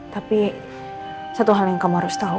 tapi satu hal yang kamu harus tahu